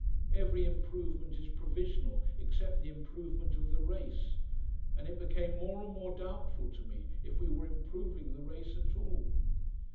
Every improvement is provisional except the improvement of the race, and it became more and more doubtful to me if we were improving the race at all!